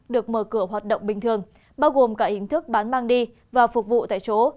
được mở cửa hoạt động bình thường bao gồm cả hình thức bán mang đi và phục vụ tại chỗ